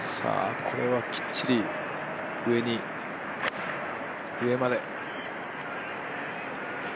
これはきっちり上まで。